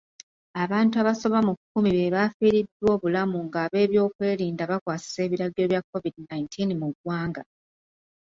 Abantu abasoba mu kumi be bafiiriddwa obulamu ng'abeebyokwerinda bakwasisa ebiragiro bya COVID nineteen mu ggwanga.